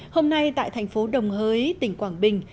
hôm nay tại thành phố đồng hới tỉnh quảng bình